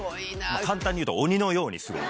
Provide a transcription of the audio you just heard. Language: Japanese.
簡単に言うと鬼のようにすごいです。